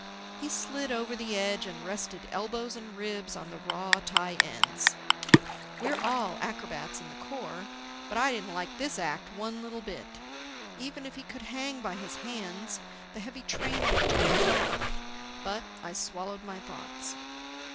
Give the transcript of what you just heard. He slid over the edge and rested elbows and ribs on the raw tie ends. We're all acrobats in the Corps. But I didn't like this act one little bit. Even if he could hang by his hands, the heavy train would jolt him off. But I swallowed my thoughts.